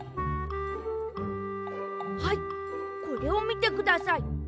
はいこれをみてください。